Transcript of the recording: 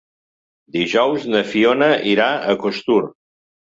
Dijous na Fiona irà a Costur.